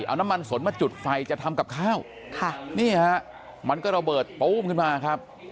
เอาน้ำมันสนมาจุดไฟจะทำกับข้าวค่ะนี่ฮะมันก็ระเบิดปู้มขึ้นมาครับ